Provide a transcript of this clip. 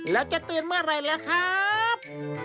แล้วจะตื่นเมื่อไรแล้วครับ